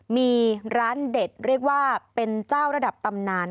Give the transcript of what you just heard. มีร้านเด็ดเรียกว่าเป็นเจ้าระดับตำนาน